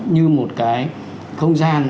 như một cái không gian